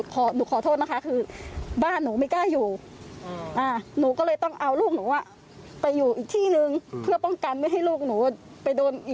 ขอบคุณผู้ชมครับ